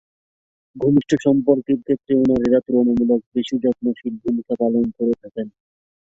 ঘনিষ্ঠ সম্পর্কের ক্ষেত্রেও নারীরা তুলনামূলক বেশি যত্নশীল ভূমিকা পালন করে থাকেন।